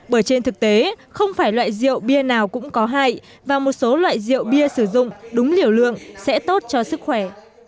bởi trên thực tế không phải loại rượu bia nào cũng có hại và một số loại rượu bia sử dụng đúng liều lượng sẽ tốt cho sức khỏe